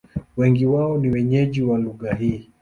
Wengi wao ni wenyeji wa lugha hii.